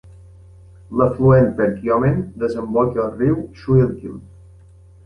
L'afluent Perkiomen desemboca al riu Schuylkill.